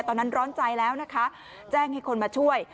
ตอนนั้นร้อนใจแล้วนะคะแจ้งให้คนมาช่วย